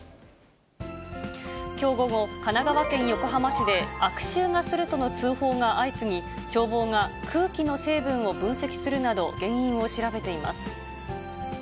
きょう午後、神奈川県横浜市で、悪臭がするとの通報が相次ぎ、消防が空気の成分を分析するなど、原因を調べています。